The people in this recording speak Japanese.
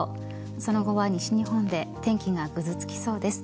その後は西日本で天気がぐずつきそうです。